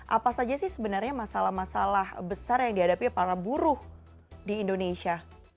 apa saja sih sebenarnya masalah masalah besar yang dihadapi para buruh di indonesia